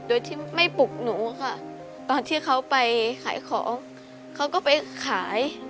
โดยที่ไม่ปลุกหนูค่ะตอนที่เขาไปขายของเขาก็ไปขาย